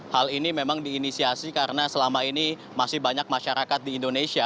hal ini memang diinisiasi karena selama ini masih banyak masyarakat di indonesia